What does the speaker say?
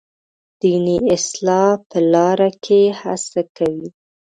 دیني اصلاح په لاره کې هڅه کوي.